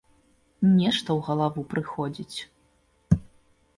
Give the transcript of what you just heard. Нешта ў галаву прыходзіць.